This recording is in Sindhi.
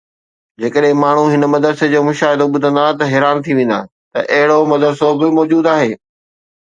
جيڪڏهن ماڻهو هن مدرسي جو مشاهدو ٻڌندا ته حيران ٿي ويندا ته اهڙو مدرسو به موجود آهي.